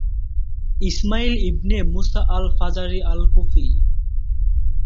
ইসমাইল ইবনে মুসা আল-ফাজারি আল-কুফি